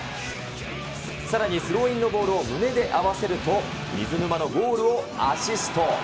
さらにスローインのボールを胸で合わせると、水沼のゴールをアシスト。